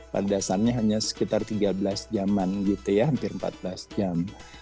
padasannya hanya sekitar tiga belas jaman gitu ya hampir empat belas jam